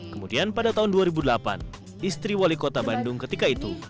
kemudian pada tahun dua ribu delapan istri wali kota bandung ketika itu